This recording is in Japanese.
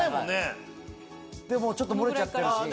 ちょっと漏れちゃってるし。